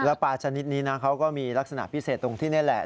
แล้วปลาชนิดนี้นะเขาก็มีลักษณะพิเศษตรงที่นี่แหละ